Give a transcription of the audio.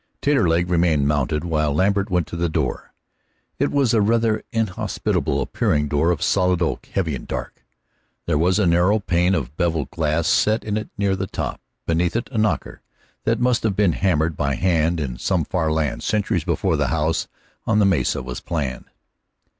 Taterleg remained mounted while Lambert went to the door. It was a rather inhospitable appearing door of solid oak, heavy and dark. There was a narrow pane of beveled glass set into it near the top, beneath it a knocker that must have been hammered by a hand in some far land centuries before the house on the mesa was planned.